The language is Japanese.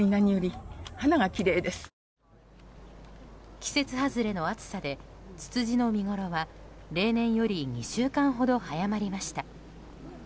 季節外れの暑さでツツジの見ごろは例年より２週間ほど早まりました。